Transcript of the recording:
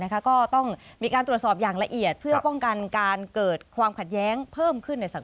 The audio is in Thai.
ขอบคุณครับ